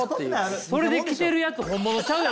それで来てるやつ本物ちゃうやろ多分。